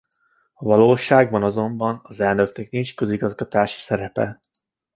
A valóságban azonban az elnöknek nincs közigazgatási szerepe.